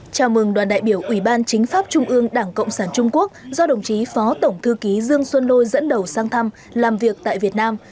chào mừng đoàn đại biểu ủy ban chính pháp trung ương đảng cộng sản trung quốc do đồng chí phó tổng thư ký dương xuân lôi dẫn đầu sang thăm làm việc tại việt nam